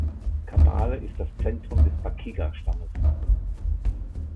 Kabale ist das Zentrum des Bakiga-Stammes.